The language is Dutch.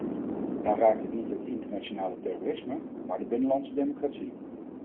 Daar raakt het niet het internationale terrorisme, maar de binnenlandse democratie.